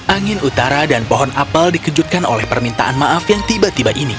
angin utara dan pohon apel dikejutkan oleh permintaan maaf yang tiba tiba ini